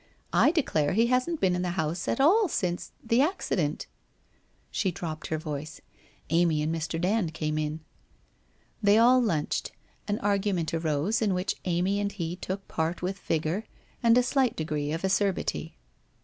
I declare he hasn't been in the house at all since — the accident !' She dropped her voice. Amy and Mr. Dand came in! They all lunched. An argument arose in which Amy and he took part with vigour, and a slight degree of acerbity.